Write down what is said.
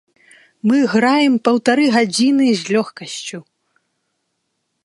Мы граем паўтары гадзіны з лёгкасцю!